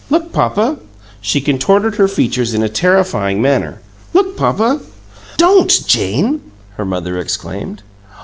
Look, papa!" She contorted her features in a terrifying manner. "Look, papa!" "Don't, Jane!" her mother exclaimed.